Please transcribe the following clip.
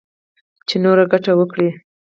چـې نـوره ګـټـه وكړي.